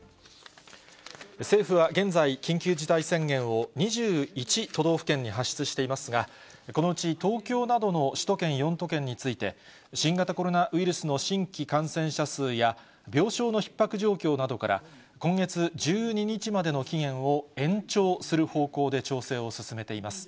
政府は現在、緊急事態宣言を２１都道府県に発出していますが、このうち東京などの首都圏４都県について、新型コロナウイルスの新規感染者数や、病床のひっ迫状況などから、今月１２日までの期限を延長する方向で調整を進めています。